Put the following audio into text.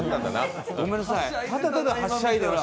ごめんなさい。